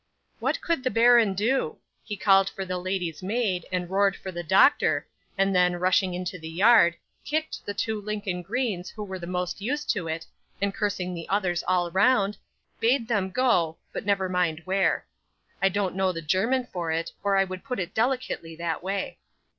'What could the baron do? He called for the lady's maid, and roared for the doctor; and then, rushing into the yard, kicked the two Lincoln greens who were the most used to it, and cursing the others all round, bade them go but never mind where. I don't know the German for it, or I would put it delicately that way.